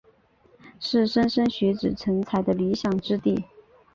是莘莘学子成才的理想之地。